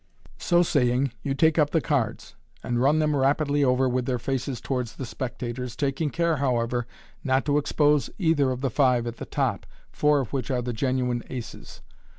So saying, you take up the cards, and run them rapidly over with their faces towards the spectators, taking care, however, not to expose either of the five at the top, four of which are the genuine aces.